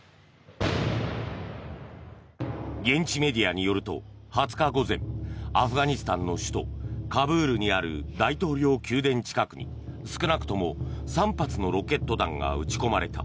現地メディアによると２０日午前アフガニスタンの首都カブールにある大統領宮殿近くに少なくとも３発のロケット弾が撃ち込まれた。